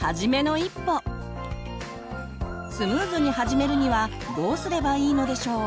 スムーズに始めるにはどうすればいいのでしょう？